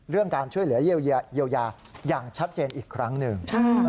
การช่วยเหลือเยียวยาอย่างชัดเจนอีกครั้งหนึ่ง